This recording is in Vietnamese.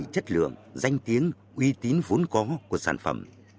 chất lượng danh tiếng uy tín vốn có của sản phẩm